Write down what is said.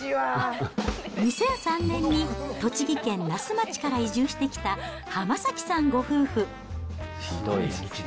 ２００３年に、栃木県那須町から移住してきた浜崎さんご夫婦。